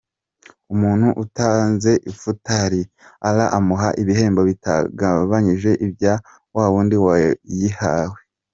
Umuntu utanze ifutari, Allah amuha ibihembo bitagabanyije ibya wa wundi wayihawe.